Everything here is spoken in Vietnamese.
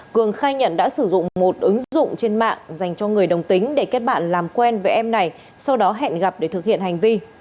cường khai nhận đã sử dụng một ứng dụng trên mạng dành cho người đồng tính để kết bạn làm quen với em này sau đó hẹn gặp để thực hiện hành vi